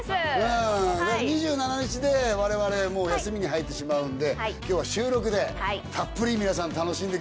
２７日で我々もう休みに入ってしまうんで今日は収録でたっぷり皆さん楽しんでください。